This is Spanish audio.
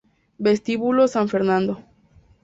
Vestíbulo San Fernando